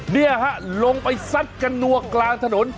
เนี่ยฮะลงไปซัดกันนัวกลางถนน